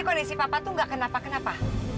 kondisi papa tuh gak kenapa kenapa